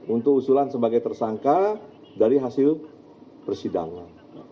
untuk usulan sebagai tersangka dari hasil persidangan